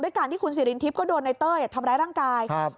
การที่คุณสิรินทิพย์ก็โดนในเต้ยทำร้ายร่างกายครับ